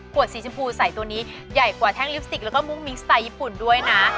สีชมพูใส่ตัวนี้ใหญ่กว่าแท่งลิปสติกแล้วก็มุ้งมิ้งสไตล์ญี่ปุ่นด้วยนะ